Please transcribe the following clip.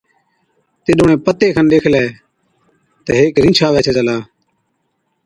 تِڏ اُڻهين پتي ڏيکلَي تہ هيڪ رِينڇ آوَي ڇَي چلا۔